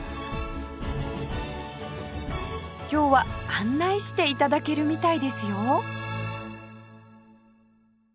今日は案内して頂けるみたいですよ